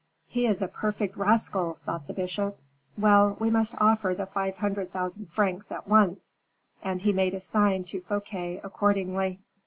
"He is a perfect rascal!" thought the bishop, "well, we must offer the five hundred thousand francs at once," and he made a sign to Fouquet accordingly.